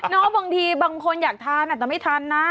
บางทีบางคนอยากทานอาจจะไม่ทานนะ